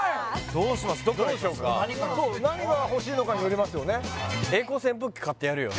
どうしようか何が欲しいのかによりますよね？